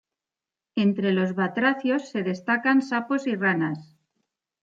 Entre los batracios se destacan sapos y ranas.